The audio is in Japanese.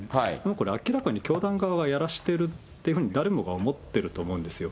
これ、明らかに教団側がやらしてるというふうに、誰もが思ってると思うんですよ。